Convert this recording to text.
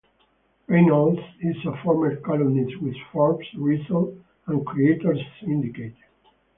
Reynolds is a former columnist with "Forbes", "Reason" and Creators Syndicate.